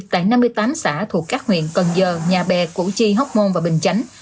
tại năm mươi tám xã thuộc các huyện cần giờ nhà bè củ chi hóc môn và bình chánh